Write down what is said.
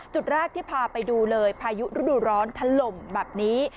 จุดแรกที่พาไปดูเลยพายุฤดูร้อนถล่มแบบนี้